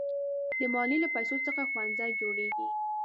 د مالیې له پیسو څخه ښوونځي جوړېږي.